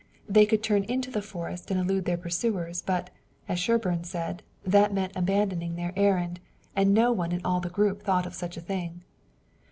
They could turn into the forest and elude their pursuers, but, as Sherburne said, that meant abandoning their errand, and no one in all the group thought of such a thing.